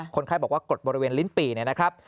คนไข้บอกว่ากดบริเวณลิ้นปี่เนี่ยนะครับ